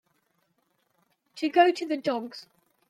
To go to the dogs.